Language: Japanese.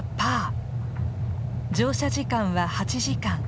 乗車時間は８時間。